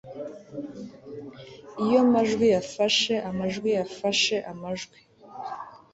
Iyo majwi yafashe amajwi yafashe amajwi